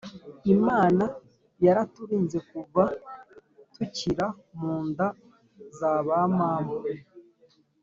imana yaraturinze kuva tukira munda z abamama